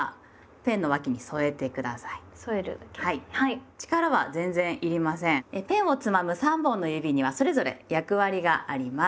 ペンをつまむ３本の指にはそれぞれ役割があります。